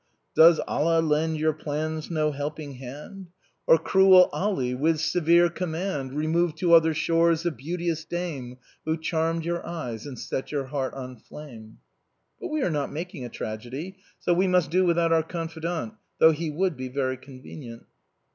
Does Allah lend your plans no helping hand ? Or cruel Ali, with severe command, Remove to other shores the beauteous dame. Who charmed your eyes and set your heart on flame !" But we are not making a tragedy, so we must do without our confidant, though he would be very convenient.